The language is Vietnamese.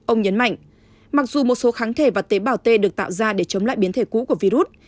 ông nhấn mạnh mặc dù một số kháng thể và tế bào t được tạo ra để chống lại biến thể cũ của virus